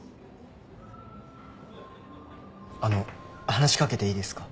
あの話し掛けていいですか？